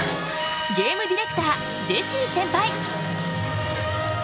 ゲームディレクタージェシーセンパイ！